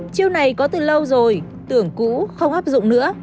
chiêu này có từ lâu rồi tưởng cũ không áp dụng nữa